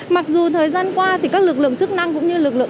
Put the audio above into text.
mặc dù thời gian qua thì các lực lượng chức năng cũng như lực lượng cảnh sát